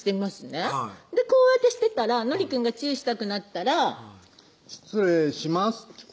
はいこうやってしてたらのりくんがチューしたくなったら「失礼します」